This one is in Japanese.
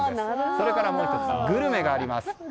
それからもう１つグルメがあります。